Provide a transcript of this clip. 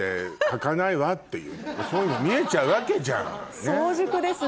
そういうの見えちゃうわけじゃん。